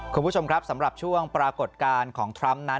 คุณผู้ชมครับสำหรับช่วงปรากฏการณ์ของทรัมป์นั้น